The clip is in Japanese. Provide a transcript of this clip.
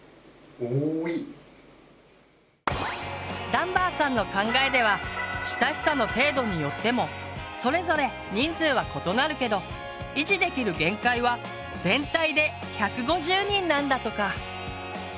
ダンバーさんの考えでは親しさの程度によってもそれぞれ人数は異なるけど維持できる限界は全体で１５０人なんだとか。